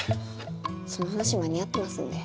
その話間に合ってますんで。